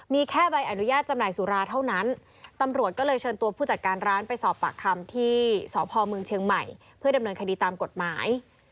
มีแค่ใบอนุญาตจำหน่ายสุราเท่านั้นตำรวจก็เลยเชิญตัวผู้จัดการร้านไปสอบปากคำที่สพเมืองเชียงใหม่เพื่อดำเนินคดีตามกฎหมาย